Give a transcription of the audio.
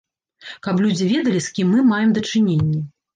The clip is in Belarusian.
Каб людзі ведалі з кім мы маем дачыненні.